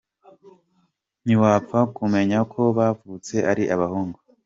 Ntiwapfa kumenya ko bavutse ari abahungu.